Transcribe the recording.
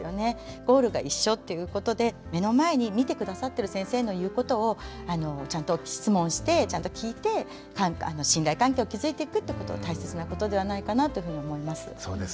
ゴールが一緒っていうことで目の前に診て下さってる先生の言うことをちゃんと質問してちゃんと聞いて信頼関係を築いていくってこと大切なことではないかなというふうに思います。